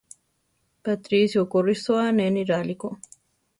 Patricio ko risóa ané niráli ko.